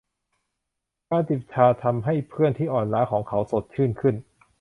การจิบชาทำให้เพื่อนที่อ่อนล้าของเขาสดชื่นขึ้น